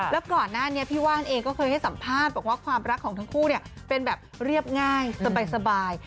แล้วก่อนหน้านี้พี่ว่านเองก็เคยให้สัมภาษณ์บอกว่าความรักของทั้งคู่เนี่ยเป็นแบบเรียบง่ายสบาย